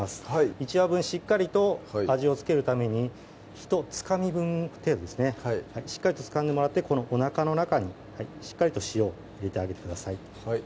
１羽分しっかりと味を付けるためにひとつかみ分程度ですねしっかりとつかんでもらってこのおなかの中にしっかりと塩を入れてあげてください